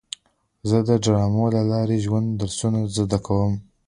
زه د ډرامو له لارې د ژوند درسونه زده کوم.